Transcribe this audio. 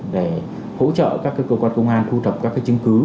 để hỗ trợ các cái cơ quan công an thu thập các cái chứng cứ